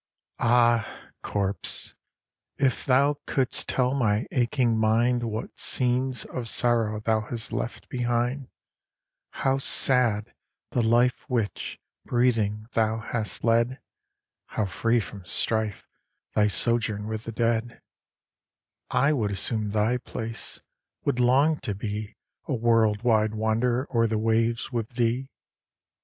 'Ah, corpse! if thou couldst tell my aching mind What scenes of sorrow thou hast left behind, How sad the life which, breathing, thou hast led, How free from strife thy sojourn with the dead; I would assume thy place would long to be A world wide wanderer o'er the waves with thee!